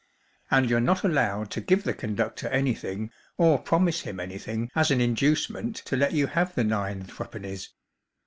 And you're not allowed to give the conductor anything or promise him anything as an in¬ ducement to let you have the nine threepennies.